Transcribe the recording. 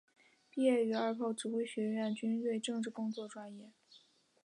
毕业于二炮指挥学院军队政治工作专业。